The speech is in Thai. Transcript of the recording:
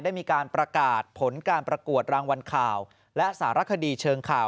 ได้มีการประกาศผลการประกวดรางวัลข่าวและสารคดีเชิงข่าว